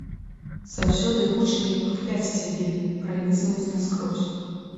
Заўсёды вочы як бы кпяць з цябе, пранізваюць наскрозь.